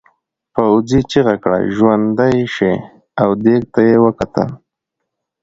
پوځي چیغه کړه ژوندي شئ او دېگ ته یې وکتل.